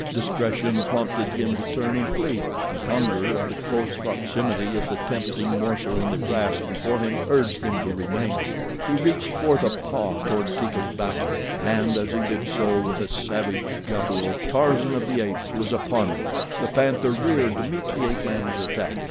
Discretion prompted him to turn and flee, but hunger and the close proximity of the tempting morsel in the grass before him urged him to remain. He reached forth a paw toward Teeka's balu, and as he did so, with a savage guttural, Tarzan of the Apes was upon him. The panther reared to meet the ape man's attack.